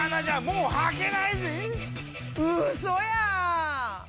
うそや！